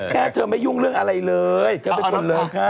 เธอไม่ยุ่งเรื่องอะไรเลยเธอเป็นคนเลยค่ะ